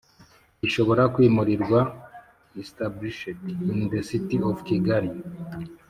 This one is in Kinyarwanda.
Gishobora kwimurirwa established in the City of Kigali